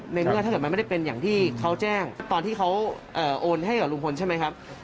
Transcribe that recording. ในเมื่อถ้าเกิดมันไม่ได้เป็นอย่างที่เขาแจ้งตอนที่เขาโอนให้กับลุงพลใช่ไหมครับ